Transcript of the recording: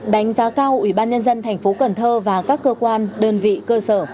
đánh giá cao ủy ban nhân dân thành phố cần thơ và các cơ quan đơn vị cơ sở